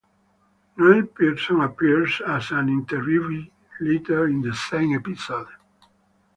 Noel Pearson appears as an interviewee later in the same episode.